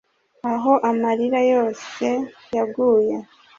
Aho amarira yose yaguye